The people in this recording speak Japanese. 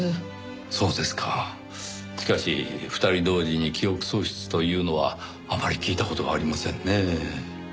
しかし２人同時に記憶喪失というのはあまり聞いた事がありませんねぇ。